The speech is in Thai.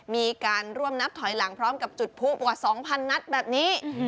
มีการร่วมนับถอยหลังพร้อมกับจุดผู้ว่า๒๐๐นัดแบบนี้